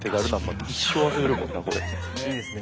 いいですね